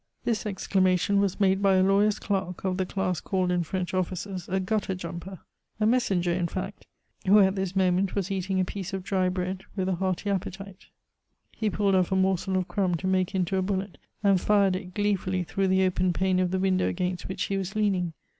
This exclamation was made by a lawyer's clerk of the class called in French offices a gutter jumper a messenger in fact who at this moment was eating a piece of dry bread with a hearty appetite. He pulled off a morsel of crumb to make into a bullet, and fired it gleefully through the open pane of the window against which he was leaning.